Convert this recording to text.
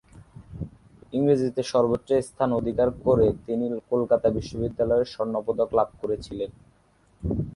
ইংরাজীতে সর্বোচ্চ স্থান অধিকার করে তিনি কলকাতা বিশ্ববিদ্যালয়ের স্বর্ণ পদক লাভ করেছিলেন।